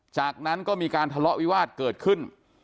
จากนั้นก็มีการทะเลาะวิวาสเกิดขึ้น